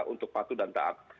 untuk patuh dan teat